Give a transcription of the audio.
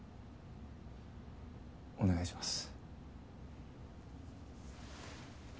お願いします。